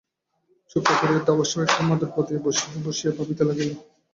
চুপচাপ করিয়া দাওয়ায় একটা মাদুর পাতিয়া বসিয়া বসিয়া ভাবিতে লাগিল।